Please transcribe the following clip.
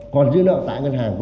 còn dư nợ tại ngân hàng